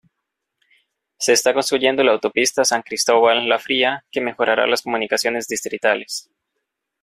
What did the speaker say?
Se está construyendo la autopista San Cristóbal–La Fría, que mejorará las comunicaciones distritales.